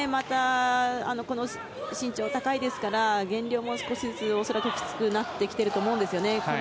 また、この身長高いですから減量も少しずつ恐らくきつくなっていると思うんですね。